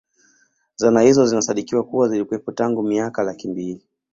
Zana hizo zinasadikiwa kuwa zilikuwepo tangu miaka laki mbili